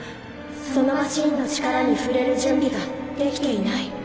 そのマシンの力に触れる準備が出来ていない。